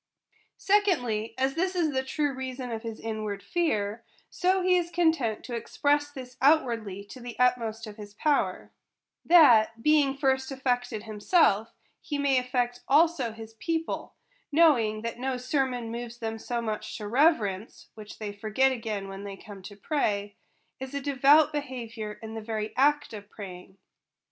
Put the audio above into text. Secondly, as this is the true reason of his inward fear, so he is content to express this outwardly to the utmost of his power ; that, being first affected himself, he may affect also his peo ple ; knowing that no sermon moves them so much to reverence (which they forget again when they come to pray), as a devout behaviovu' in the very act of praying.